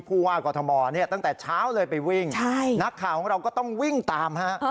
ผู้ว่ากอทมเนี่ยตั้งแต่เช้าเลยไปวิ่งนักข่าวของเราก็ต้องวิ่งตามฮะ